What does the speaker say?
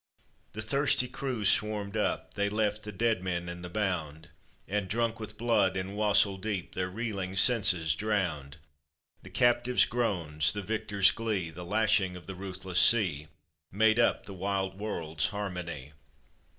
The thirsty crews swarmed up, they left The dead men and the bound, And, drunk with blood, in wassail deep Their reeling senses drowned. The captive's groans, the victor's glee, The lashing of the ruthless sea, Made up the wild world's harmony.